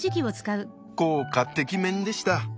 効果てきめんでした。